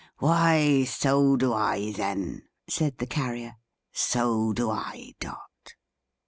"Why so do I then," said the Carrier. "So do I, Dot."